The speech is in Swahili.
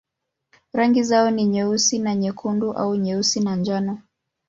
Rangi zao ni nyeusi na nyekundu au nyeusi na njano.